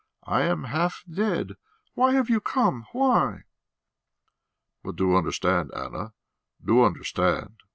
I am half dead. Why have you come? Why?" "But do understand, Anna, do understand